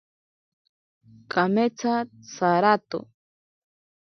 Kametsa tsarato.